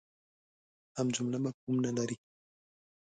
هم جمله مفهوم نه لري.